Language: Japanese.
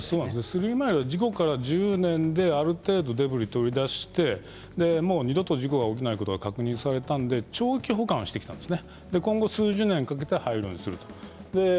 スリーマイルでは事故から１０年である程度デブリを取り出して二度と事故が起きないことが確認されたので長期保管してきました。